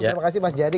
terima kasih mas jani